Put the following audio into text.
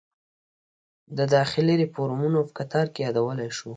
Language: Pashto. د داخلي ریفورومونو په قطار کې یادولی شو.